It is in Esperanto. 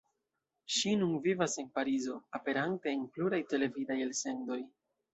Ŝi nun vivas en Parizo, aperante en pluraj televidaj elsendoj.